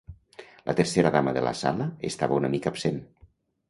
La tercera dama de la sala estava una mica absent.